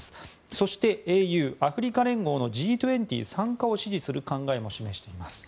そして、ＡＵ・アフリカ連合のＧ２０参加を示しています。